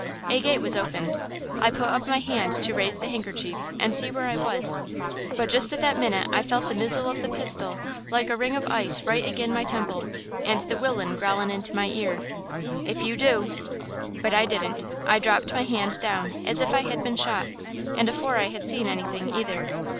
A gate was opened. I put up my hand to raise the hankerchief and see where I was; but just at that minute I felt the mizzle o' the pistol like a ring of ice right agin my temple, and the willain growling into my ear: "'If you do–!' "But I didn't–I dropped my hand down as if I had been shot, and afore I had seen anything, either.